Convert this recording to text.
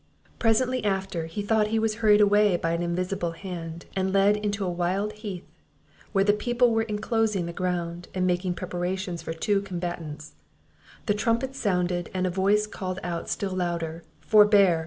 Presently after, he thought he was hurried away by an invisible hand, and led into a wild heath, where the people were inclosing the ground, and making preparations for two combatants; the trumpet sounded, and a voice called out still louder, "Forbear!